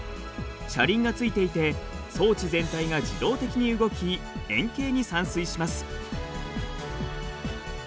車輪が付いていて装置全体が自動的に動き円形に散水します。